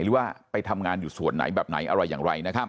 หรือว่าไปทำงานอยู่ส่วนไหนแบบไหนอะไรอย่างไรนะครับ